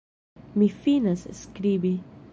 Mi finas skribi.